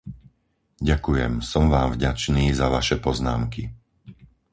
Ďakujem, som vám vďačný za vaše poznámky.